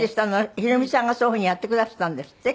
ヒロミさんがそういうふうにやってくだすったんですって？